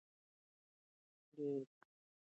ډيره مالګه روغتيا ته تاوان رسوي.